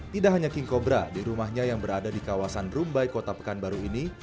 tidak hanya king cobra di rumahnya yang berada di kawasan rumbai kota pekanbaru ini